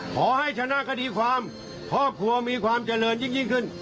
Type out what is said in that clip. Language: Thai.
ขอให้ชนะคดีความครอบครัวมีความเจริญยิ่งขึ้น